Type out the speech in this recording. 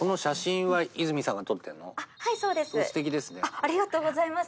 ありがとうございます。